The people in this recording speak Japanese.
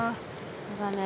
そうだね。